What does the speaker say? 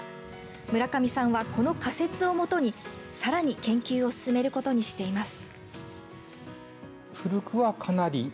村上さんは、この仮説をもとにさらに研究を進めることにしています。